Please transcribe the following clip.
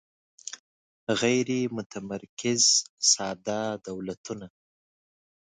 غیر متمرکز ساده دولتونه